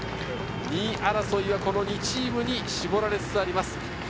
２位争いはこの２チームに絞られつつあります。